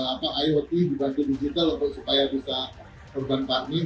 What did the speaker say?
apa iot dibantu digital supaya bisa beban farming